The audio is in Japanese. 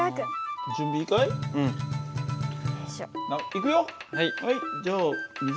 いくよ。